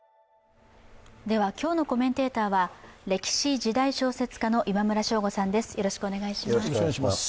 今日のコメンテーターは歴史・時代小説家の今村翔吾さんです。